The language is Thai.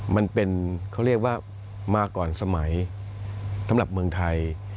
มันเป็นเขาเรียกว่ามาก่อนสมัยสำหรับเมืองไทย